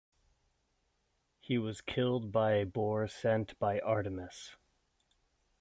He was killed by a boar sent by Artemis.